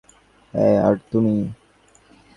হ্যাঁ, আর তুমি?